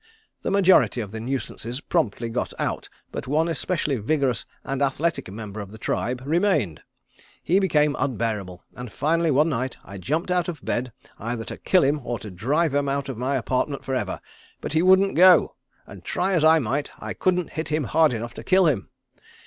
The majority of the nuisances promptly got out but one especially vigorous and athletic member of the tribe remained. He became unbearable and finally one night I jumped out of bed either to kill him or to drive him out of my apartment forever, but he wouldn't go, and try as I might I couldn't hit him hard enough to kill him.